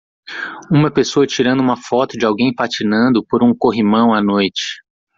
Uma pessoa tirando uma foto de alguém patinando por um corrimão à noite.